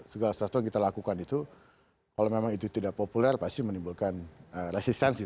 segala sesuatu yang kita lakukan itu kalau memang itu tidak populer pasti menimbulkan resistensi